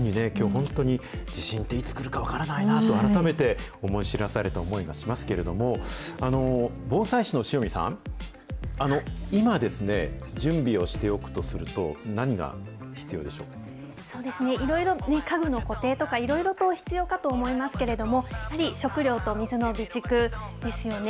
まさに今、きょう本当に、地震っていつ来るか分からないなと改めて思い知らされた思いもしますけれども、防災士の塩見さん、今、準備をしておくとすると、何が必そうですね、いろいろ家具の固定とか、いろいろと必要かと思いますけれども、やはり食料と水の備蓄ですよね。